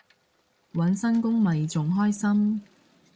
搵新工咪仲開心